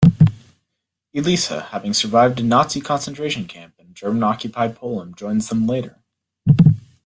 Elisa, having survived a Nazi concentration camp in German-occupied Poland, joins them later.